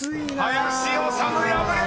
［林修敗れる！］